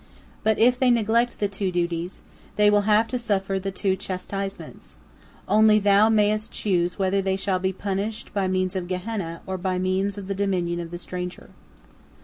But if they neglect the two duties, they will have to suffer the two chastisements; only thou mayest choose whether they shall be punished by means of Gehenna or by means of the dominion of the stranger."